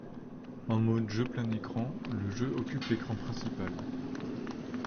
En mode jeu plein écran, le jeu occupe l'écran principal.